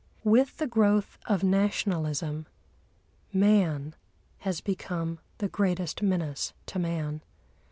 With the growth of nationalism, man has become the greatest menace to man.